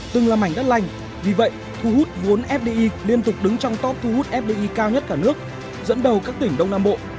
từng là mảnh đất lành vì vậy thu hút vốn fdi liên tục đứng trong top thu hút fdi cao nhất cả nước dẫn đầu các tỉnh đông nam bộ